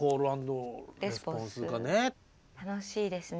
楽しいですね。